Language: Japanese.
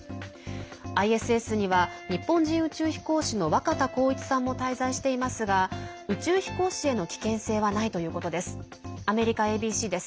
ＩＳＳには日本人宇宙飛行士の若田光一さんも滞在していますが宇宙飛行士への危険性はないということです。